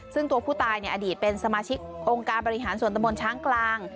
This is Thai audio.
ซึ่งตัวผู้ตายอดีตเป็นสมาชิกองค์การบริหารส่วนตะมนต์ช้างกลาง